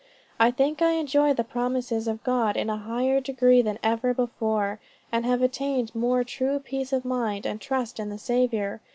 I think I enjoy the promises of God in a higher degree than ever before, and have attained more true peace of mind and trust in the Saviour.